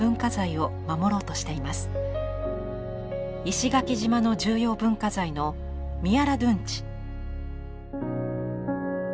石垣島の重要文化財の宮良殿内。